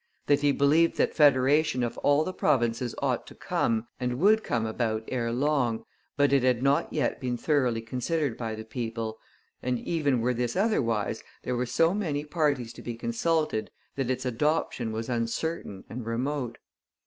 That he believed that federation of all the provinces ought to come, and would come about ere long, but it had not yet been thoroughly considered by the people; and even were this otherwise, there were so many parties to be consulted that its adoption was uncertain and remote.